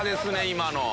今の。